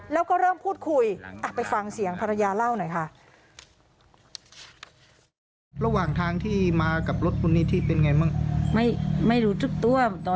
แล้วก็เริ่มพูดคุยไปฟังเสียงภรรยาเล่าหน่อยค่ะ